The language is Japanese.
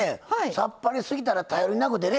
さっぱりすぎたら頼りなくてね